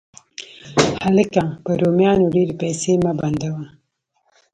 هلکه! په رومیانو ډېرې پیسې مه بندوه